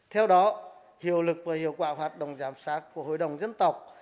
theo đó hiệu lực và hiệu quả hoạt động giám sát của hội đồng dân tộc